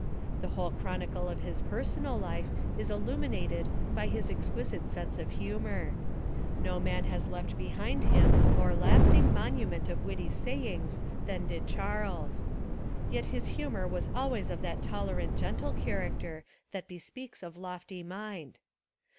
The whole chronicle of his personal life is illuminated by his exquisite sense of humour. No man has left behind him a more lasting monument of witty sayings than did Charles. Yet his humour was always of that tolerant gentle character that bespeaks of lofty mind.